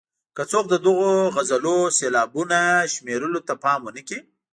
که څوک د دغو غزلونو سېلابونو شمېرلو ته پام ونه کړي.